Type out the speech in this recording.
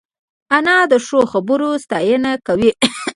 انا د ښو خبرو ستاینه کوي